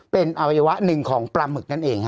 เป็นอวัยวะหนึ่งของปลาหมึกนั่นเอง